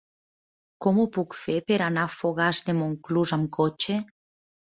Com ho puc fer per anar a Fogars de Montclús amb cotxe?